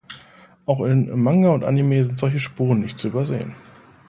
Auch in Manga und Anime sind solche Spuren nicht zu übersehen.